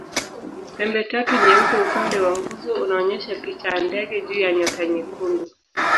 Pembetatu nyeupe upande wa nguzo unaonyesha picha ya ndege juu ya nyota nyekundu.